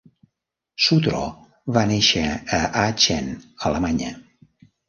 Sutro va néixer a Aachen, Alemanya.